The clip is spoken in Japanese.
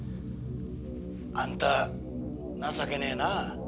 「あんた情けねえな」